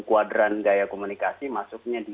kuadran gaya komunikasi masuknya di